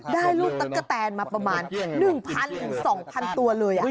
ได้ลูกตั๊กกะแตนมาประมาณ๑๐๐๒๐๐ตัวเลย